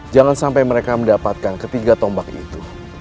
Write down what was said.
jangan sampai mereka mendapatkan ketiga tombak itu